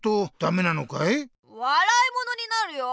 わらいものになるよ。